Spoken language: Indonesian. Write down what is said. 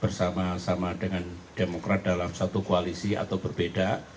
bersama sama dengan demokrat dalam satu koalisi atau berbeda